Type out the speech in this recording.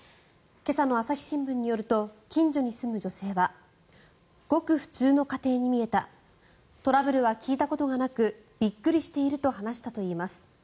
今朝の朝日新聞によると近所に住む女性はごく普通の家庭に見えたトラブルは聞いたことがなくびっくりしていると話したといいます。